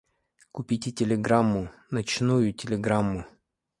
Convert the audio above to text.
Купите телеграмму — ночную телеграмму!